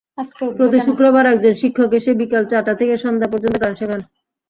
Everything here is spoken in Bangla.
প্রতি শুক্রবার একজন শিক্ষক এসে বিকেল চারটা থেকে সন্ধ্যা পর্যন্ত গান শেখান।